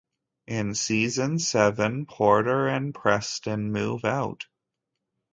In season seven, Porter and Preston move out.